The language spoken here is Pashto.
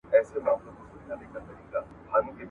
بزګر وویل چې نن مې د ژوند تر ټولو لوی درس زده کړ.